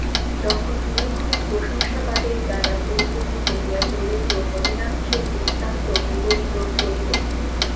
তখন ভূরি ভূরি প্রশংসাবাদের দ্বারা পরিপূর্ণ করিয়া যোগেন্দ্র নলিনাক্ষের বৃত্তান্ত বিবরিত করিল।